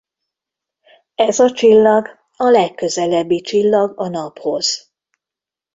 Ez a csillag a legközelebbi csillag a Naphoz.